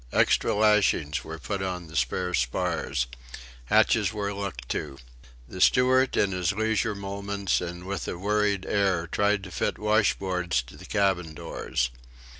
Extra lashings were put on the spare spars. Hatches were looked to. The steward in his leisure moments and with a worried air tried to fit washboards to the cabin doors.